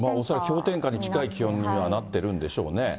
恐らく氷点下に近いような気温になってるんでしょうね。